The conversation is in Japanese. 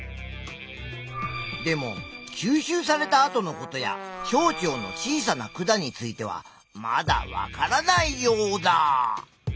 でも吸収されたあとのことや小腸の小さな管についてはまだわからないヨウダ！